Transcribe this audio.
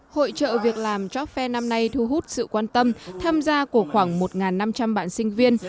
hội trợ việc làm job fair năm nay thu hút sự quan tâm tham gia của khoảng một năm trăm linh bạn sinh viên